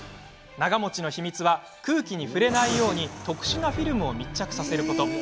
長もちの秘密は空気に触れないように特殊なフィルムを密着させること。